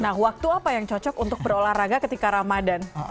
nah waktu apa yang cocok untuk berolahraga ketika ramadhan